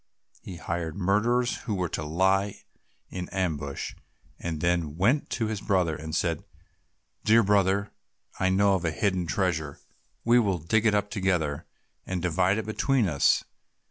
He hired murderers, who were to lie in ambush, and then he went to his brother and said, "Dear brother, I know of a hidden treasure, we will dig it up together, and divide it between us."